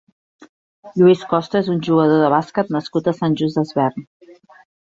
Lluís Costa és un jugador de bàsquet nascut a Sant Just Desvern.